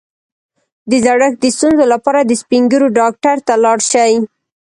د زړښت د ستونزو لپاره د سپین ږیرو ډاکټر ته لاړ شئ